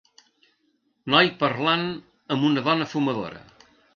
noi parlant amb una dona fumadora.